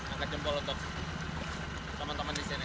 angkat jempol untuk teman teman di sini